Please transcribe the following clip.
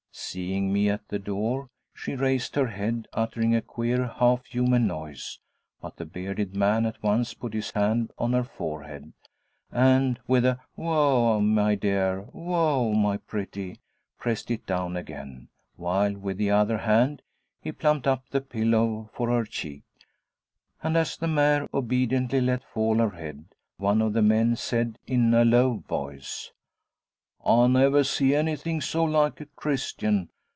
Seeing me at the door, she raised her head, uttering a queer half human noise, but the bearded man at once put his hand on her forehead, and with a 'Woa, my dear woa, my pretty!' pressed it down again, while with the other hand he plumped up the pillow for her cheek. And, as the mare obediently let fall her head, one of the men said in a low voice, 'I never see anything so like a Christian!'